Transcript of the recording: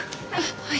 はい。